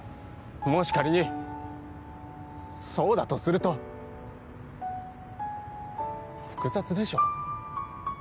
もし仮にそうだとすると複雑でしょ。